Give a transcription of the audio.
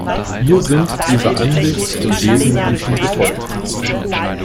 Wir sind dieser Ansicht im wesentlichen gefolgt.